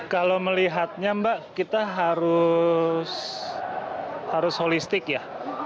kalau melihatnya mbak kita harus harus holistik ya